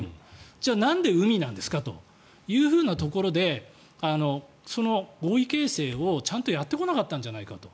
じゃあ、なんで海なんですかというところで合意形成をちゃんとやってこなかったんじゃないかと。